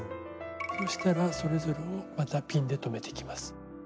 そうしたらそれぞれをまたピンで留めていきます。